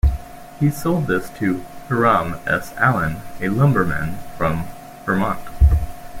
He sold this to Hiram S. Allen, a lumberman from Vermont.